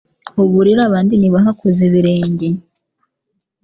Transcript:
uburire abandi ntibahakoze ibirenge